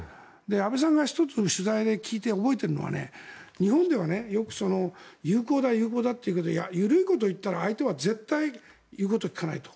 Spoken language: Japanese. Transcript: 安倍さんが１つ取材で聞いて覚えているのは日本では、よく友好だ、友好だと言うけど緩いことを言ったら、相手は絶対に言うことを聞かないと。